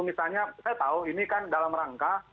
misalnya saya tahu ini kan dalam rangka